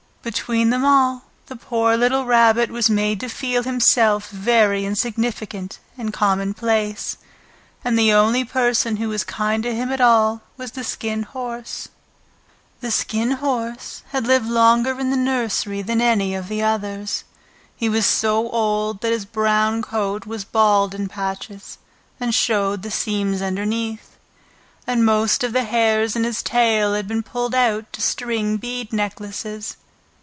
Between them all the poor little Rabbit was made to feel himself very insignificant and commonplace, and the only person who was kind to him at all was the Skin Horse. The Skin Horse had lived longer in the nursery than any of the others. He was so old that his brown coat was bald in patches and showed the seams underneath, and most of the hairs in his tail had been pulled out to string bead necklaces.